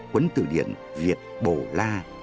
quấn tự điện việt bồ la